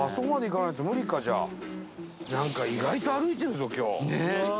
なんか意外と歩いてるぞ今日。